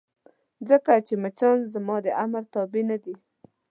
ځکه چې مچان زما د امر تابع نه دي.